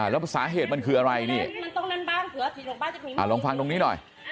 แล้วสาเหตุมันคืออะไรลองฟังตรงนี้หน่อย